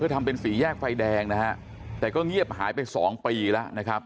ทำเป็นสี่แยกไฟแดงนะฮะแต่ก็เงียบหายไปสองปีแล้วนะครับ